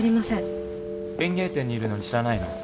園芸店にいるのに知らないの？